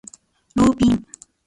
ローピン